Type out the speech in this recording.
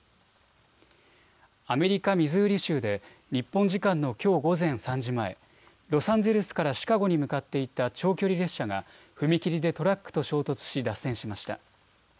アメリカ・ミズーリ州で日本時間のきょう午前３時前、ロサンゼルスからシカゴに向かっていた長距離列車が踏切でトラックと衝突し脱線しました。